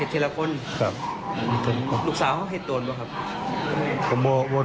สลับกันไปเห็น